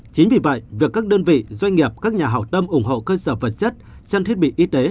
chính vì vậy việc các đơn vị doanh nghiệp các nhà hảo tâm ủng hộ cơ sở vật chất trang thiết bị y tế